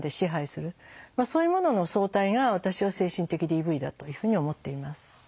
そういうものの総体が私は精神的ＤＶだというふうに思っています。